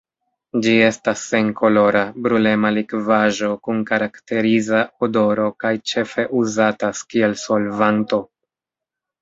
Ĝi estas senkolora, brulema likvaĵo kun karakteriza odoro kaj ĉefe uzatas kiel solvanto.